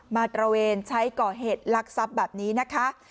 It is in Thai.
ตระเวนใช้ก่อเหตุลักษัพแบบนี้นะคะ